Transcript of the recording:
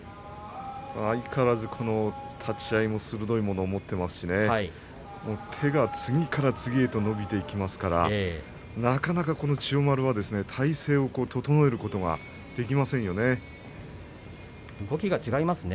相変わらず立ち合いも鋭いものを持っていますし手が次から次へと伸びていきますからなかなか千代丸は体勢を整えることが動きが違いますね。